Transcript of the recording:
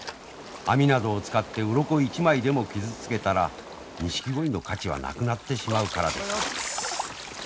網などを使ってうろこ一枚でも傷つけたらニシキゴイの価値はなくなってしまうからです。